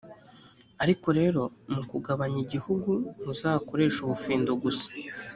ariko rero mu kugabanya igihugu, muzakoreshe ubufindo gusa.